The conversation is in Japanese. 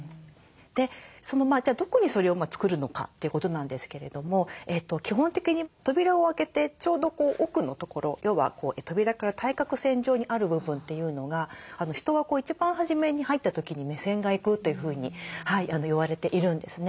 じゃあどこにそれを作るのかということなんですけれども基本的に扉を開けてちょうど奥の所要は扉から対角線上にある部分というのが人が一番初めに入った時に目線がいくというふうに言われているんですね。